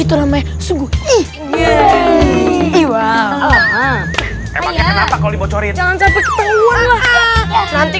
itu namanya sungguh bener